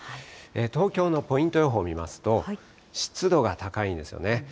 東京のポイント予報見ますと、湿度が高いんですよね。